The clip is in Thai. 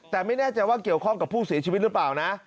แต่ไม่แน่ใจว่าเกี่ยวข้องกับผู้เสียชีวิตหรือเปล่านะ